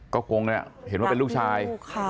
ก็โกงเลยอะเห็นว่าเป็นลูกชาย